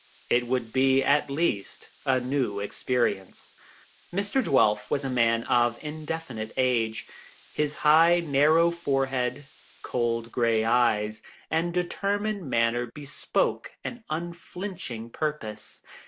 It would be at least a new experience. Mr. Dwelf was a man of indefinite age; his high, narrow forehead, cold grey eyes, and determined manner bespoke an unflinching purpose.